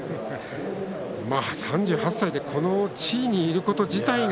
３８歳でこの地位にいること自体が。